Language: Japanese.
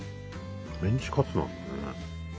メンチカツなんだね。